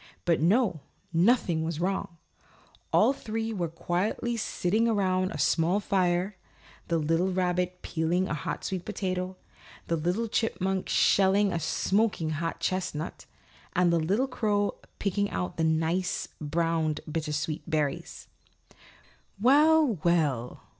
But no, nothing was wrong. All three were quietly sitting around a small fire, the little rabbit peeling a hot sweet potato, the little chipmunk shelling a smoking hot chestnut and the little crow picking out the nice browned bittersweet berries. "Well, well!"